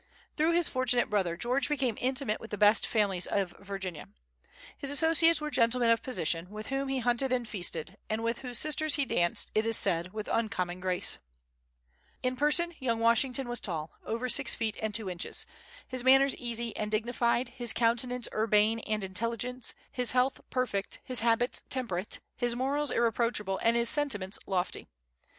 Through this fortunate brother, George became intimate with the best families in Virginia. His associates were gentlemen of position, with whom he hunted and feasted, and with whose sisters he danced, it is said, with uncommon grace. In person, young Washington was tall, over six feet and two inches, his manners easy and dignified, his countenance urbane and intelligent, his health perfect, his habits temperate, his morals irreproachable, and his sentiments lofty.